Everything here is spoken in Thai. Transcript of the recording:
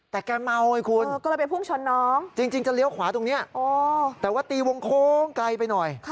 แต่แกเมาไอ้คุณ